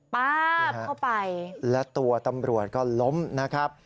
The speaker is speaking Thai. ป้าบเข้าไปและตัวตำรวจก็ล้มนะครับ